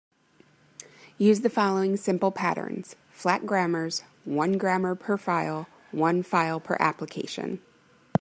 Use the following simple patterns: flat grammars, one grammar per file, one file per application.